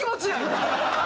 今。